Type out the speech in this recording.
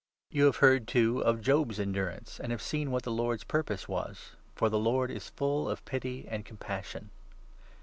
You have heard, too, of Job's endurance, and have seen what the Lord's purpose was, for ' the Lord is full of pity and compassion.'